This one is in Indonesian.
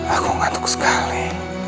aku ngantuk sekali